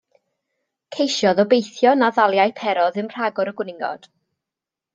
Ceisiodd obeithio na ddaliai Pero ddim rhagor o gwningod.